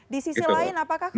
di sisi lain apakah